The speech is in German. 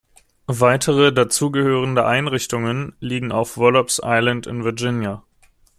Weitere dazugehörende Einrichtungen liegen auf Wallops Island in Virginia.